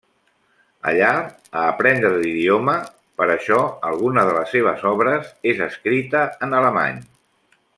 Allà a aprendre l'idioma, per això alguna de les seves obres és escrita en Alemany.